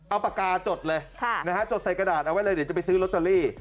เอาปากกาจดเลยจดใส่กระดาษเอาไว้เลยเดี๋ยวจะไปซื้อลอตเตอรี่